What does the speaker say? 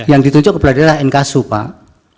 yang ditunjuk kepala daerah nksu pak